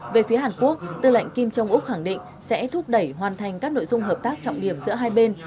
về phía hàn quốc tư lệnh kim trung úc khẳng định sẽ thúc đẩy hoàn thành các nội dung hợp tác trọng điểm giữa hai bên